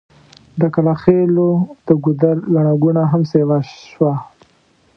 د کلاخېلو د ګودر ګڼه ګوڼه هم سيوا شوه.